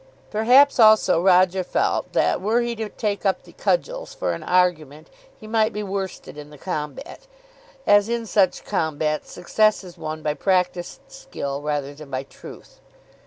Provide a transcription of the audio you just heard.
Perhaps also Roger felt that were he to take up the cudgels for an argument he might be worsted in the combat, as in such combats success is won by practised skill rather than by truth.